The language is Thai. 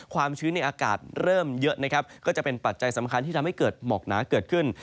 ความชื้นในอากาศเริ่มเยอะนะครับก็จะเป็นปัจจัยสำคัญที่ทำให้เกิดหมอกหนาเกิดขึ้น